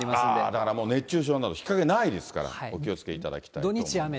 だからもう、熱中症など、日陰ないですから、お気をつけいただきたいと思います。